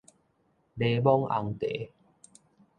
檸檬紅茶